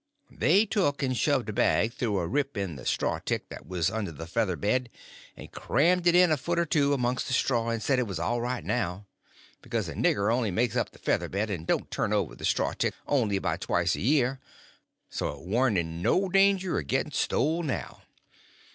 They took and shoved the bag through a rip in the straw tick that was under the feather bed, and crammed it in a foot or two amongst the straw and said it was all right now, because a nigger only makes up the feather bed, and don't turn over the straw tick only about twice a year, and so it warn't in no danger of getting stole now.